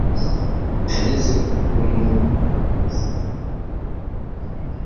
Ageze ku nuvauu wa Elayono, Yesu ajyana abigishwa beklurya y'impinga yawo bugufi bw'i Betaniya.